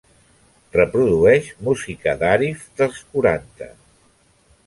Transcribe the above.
Reprodueix música d'Arif dels quaranta.